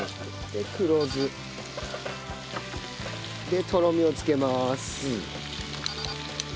で黒酢。でとろみをつけます。